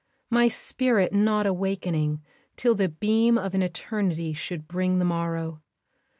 My spirit not awakening, till the beam Of an Eternity should bring the morrow.